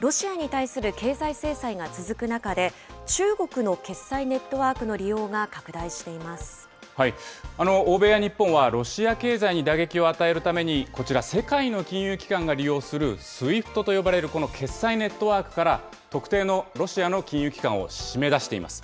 ロシアに対する経済制裁が続く中で、中国の決済ネットワークの利欧米や日本はロシア経済に打撃を与えるために、こちら、世界の金融機関が利用するＳＷＩＦＴと呼ばれるこの決済ネットワークから、特定のロシアの金融機関を締め出しています。